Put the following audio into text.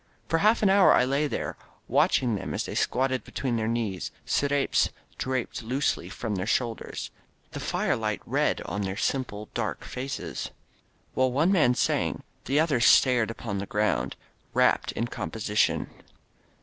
For half an hour I lay there, watching them, as they squatted between their knees, scrapes draped loosely from their shoul ders, the firelight red on their simple, dark faces. 74 THE LAST NIGHT While one man sang the others stared upon the ground, wrapt in composition.